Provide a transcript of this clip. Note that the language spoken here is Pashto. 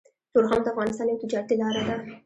تورخم د افغانستان يوه تجارتي لاره ده